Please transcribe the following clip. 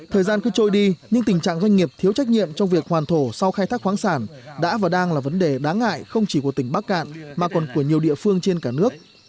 thời gian cứ trôi đi nhưng tình trạng doanh nghiệp thiếu trách nhiệm trong việc hoàn thổ sau khai thác khoáng sản đã và đang là vấn đề đáng ngại không chỉ của tỉnh bắc cạn mà còn của nhiều địa phương trên cả nước